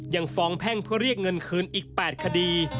ยังฟ้องแพ่งเพื่อเรียกเงินคืนอีก๘คดี